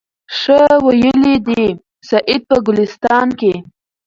ښه ویلي دي سعدي په ګلستان کي